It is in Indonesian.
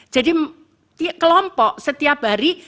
jadi kelompok setiap hari